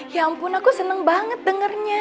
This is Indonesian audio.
ya ampun aku seneng banget dengernya